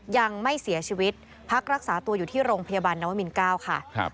ยังไม่เสียชีวิตพักรักษาตัวอยู่ที่โรงพยาบาลนวมิน๙ค่ะ